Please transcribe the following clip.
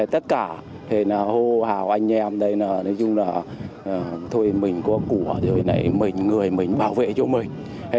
tất cả hô hào anh em đây là nói chung là thôi mình có của rồi này mình người mình bảo vệ cho mình